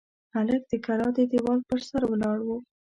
هلک د کلا د دېوال پر سر ولاړ و.